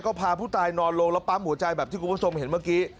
ก็พาผู้ตายนอนลงแล้วปั๊มหัวใจแบบที่คุณผู้ชมเห็นเมื่อกี้